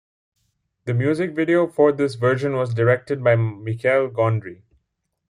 The music video for this version was directed by Michel Gondry.